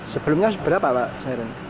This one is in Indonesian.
sebelumnya berapa pak sey rony